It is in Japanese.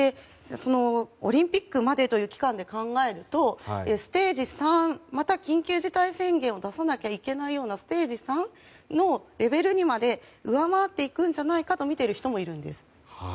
オリンピックまでという期間で考えるとまた緊急事態宣言を出さなきゃいけないようなステージ３のレベルにまで上回っていくんじゃないかとみている人もいるんです。